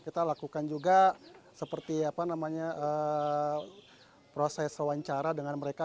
kita lakukan juga seperti proses wawancara dengan mereka